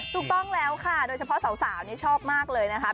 ถูกต้องแล้วค่ะโดยเฉพาะสาวนี่ชอบมากเลยนะคะ